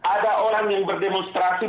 ada orang yang berdemonstrasi